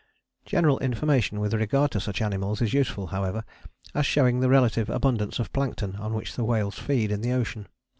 General information with regard to such animals is useful, however, as showing the relative abundance of plankton on which the whales feed in the ocean.